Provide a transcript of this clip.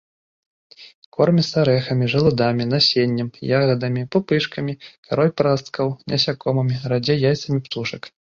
Корміцца арэхамі, жалудамі, насеннем, ягадамі, пупышкамі, карой парасткаў, насякомымі, радзей яйцамі птушак.